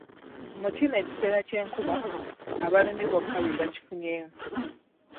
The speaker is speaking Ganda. Mu kino ekiseera ky'enkuba balimi bokka be bakifunyemu.